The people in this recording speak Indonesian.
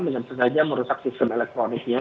dengan sengaja merusak sistem elektroniknya